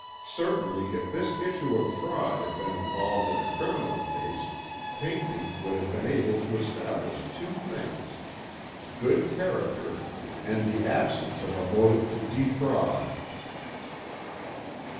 Certainly if this issue of fraud had been involved in a criminal case Pinckney would have been able to establish two things good character, and the absence of a motive to defraud.